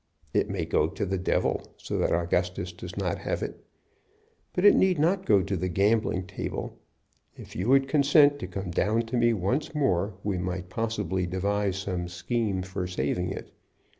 It may go to the devil, so that Augustus does not have it. But it need not go to the gambling table. If you would consent to come down to me once more we might possibly devise some scheme for saving it.